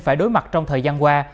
phải đối mặt trong thời gian qua